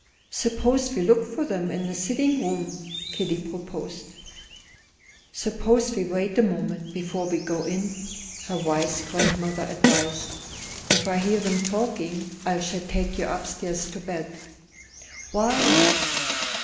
"Suppose we look for them in the sitting room?" Kitty proposed. "Suppose we wait a moment, before we go in?" her wise grandmother advised. "If I hear them talking I shall take you upstairs to bed." "Why?"